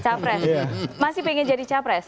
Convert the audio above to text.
capres masih pengen jadi capres